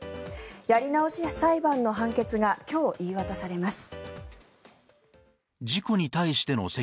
やり直し裁判の判決が今日、言い渡されます。